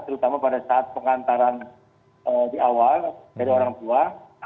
terutama pada saat pengantaran di awal dari orang tua